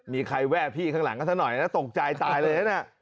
มีใครแว่พี่ข้างหลังก็ซะหน่อยนะตกใจตายเลยนะ